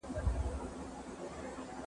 مال باید له حلالې لاري لاسته راشي.